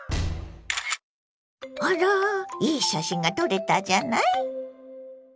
あらいい写真が撮れたじゃない。